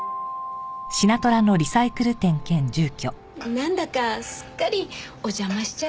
なんだかすっかりお邪魔しちゃって。